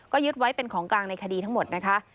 ก็ยึดไว้เป็นของกลางในคดีทั้งหมดนะคะ